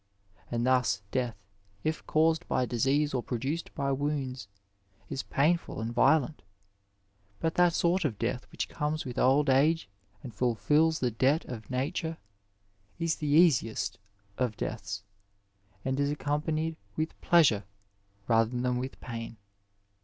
And thus death, if caused by disease or produced by wounds, is painful and violent ; but that sort of death which comes with old age and fulfils the debt of nature is the easiest of deaths, and is accom panied with pleasure rather than with pain."